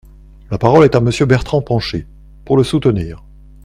La parole est à Monsieur Bertrand Pancher, pour le soutenir.